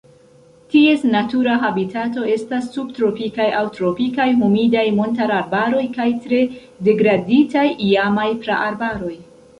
Ties natura habitato estas subtropikaj aŭ tropikaj humidaj montararbaroj kaj tre degraditaj iamaj praarbaroj.